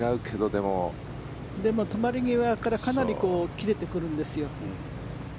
でも止まり際からかなり切れてくるんですよ。